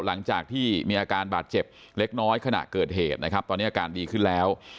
หลังจากที่มีอาการบาดเจ็บเล็กน้อยขณะเกิดเหตุนะครับตอนนี้อาการดีขึ้นแล้ว